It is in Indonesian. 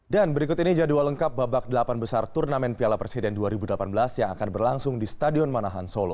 dan berikut ini jadwal lengkap babak delapan besar turnamen piala presiden dua ribu delapan belas yang akan berlangsung di stadion manahan solo